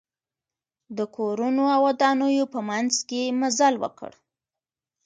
د کورونو او ودانیو په منځ کې مزل وکړ.